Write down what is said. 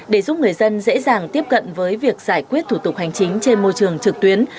để giúp người dân dễ dàng tiếp cận với việc giải quyết thủ tục hành chính trên môi trường trực tuyến